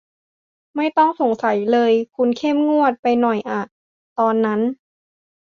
ไม่ต้องสงสัยเลย คุณเข้มงวดไปหน่อยอ่ะตอนนั้น